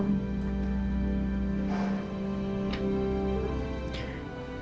dia masih butuh waktu